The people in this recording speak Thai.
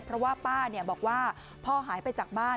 เพราะว่าป้าบอกว่าพ่อหายไปจากบ้าน